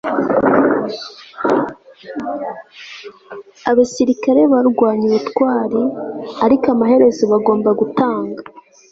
abasirikare barwanye ubutwari, ariko amaherezo bagomba gutanga